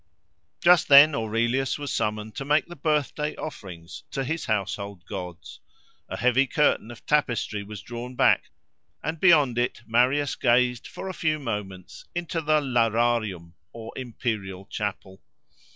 Just then Aurelius was summoned to make the birthday offerings to his household gods. A heavy curtain of tapestry was drawn back; and beyond it Marius gazed for a few moments into the Lararium, or imperial chapel.